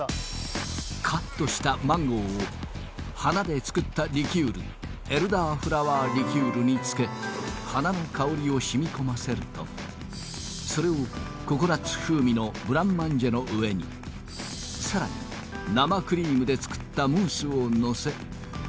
カットしたマンゴーを花で作ったリキュールエルダーフラワーリキュールに漬け花の香りをしみ込ませるとそれをココナッツ風味のブラマンジェの上にさらに生クリームで作ったムースを載せ